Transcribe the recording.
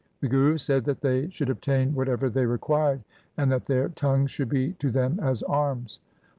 The Guru said that they should obtain whatever they required, and that their tongues should be to them as arms.